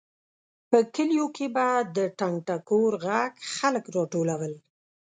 په کلیو کې به د ټنګ ټکور غږ خلک راټولول.